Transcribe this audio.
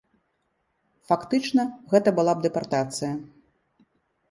Фактычна, гэта была б дэпартацыя.